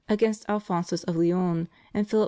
against Alphonsus of Leon and PhiUp II.